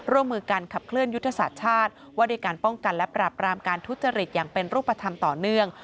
ร่วมมือกันขับเคลื่อนยุทธศาสตร์ชาติว่าด้วยการป้องกันและปราบรามการทุจริตอย่างเป็นรูปธรรมต่อเนื่อง